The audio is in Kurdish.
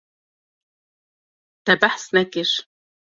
Te behs nekir.